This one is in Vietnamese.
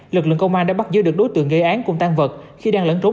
lực lượng công an đã bắt giữ được đối tượng gây án cùng tan vật khi đang lẫn trốn